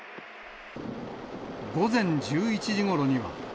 午前１１時ごろには。